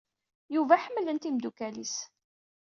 Yuba ḥemmlen-t imeddukal-is.